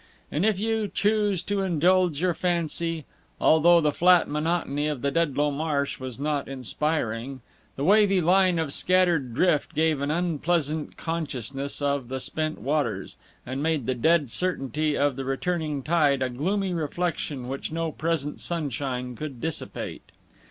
And if you choose to indulge your fancy although the flat monotony of the Dedlow Marsh was not inspiring the wavy line of scattered drift gave an unpleasant consciousness of the spent waters, and made the dead certainty of the returning tide a gloomy reflection which no present sunshine could dissipate.